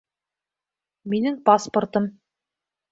Минең паспортым